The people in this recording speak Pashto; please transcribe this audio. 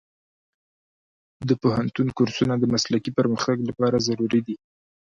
د پوهنتون کورسونه د مسلکي پرمختګ لپاره ضروري دي.